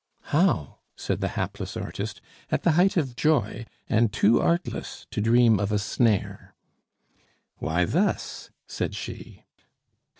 "How?" said the hapless artist, at the height of joy, and too artless to dream of a snare. "Why, thus," said she.